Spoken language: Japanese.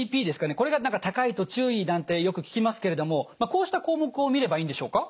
これが何か高いと注意なんてよく聞きますけれどもこうした項目を見ればいいんでしょうか？